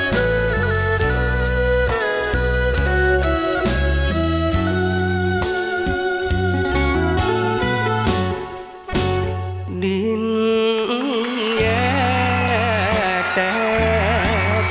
แร่งเมืองลันตาแหง